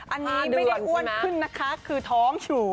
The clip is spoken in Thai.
อันนี้ไม่ได้อ้วนขึ้นนะคะคือท้องฉู่